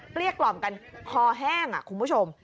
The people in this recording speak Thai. เรียกกล่อมกันคอแห้งคุณผู้ชม